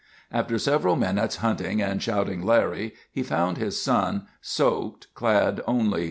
After several minutes hunting and shouting "Larry" he found his son, soaked, clad only in shorts.